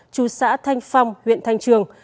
chú xã thanh phong huyện thanh trường